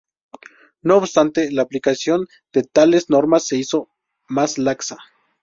No obstante, la aplicación de tales normas se hizo más laxa.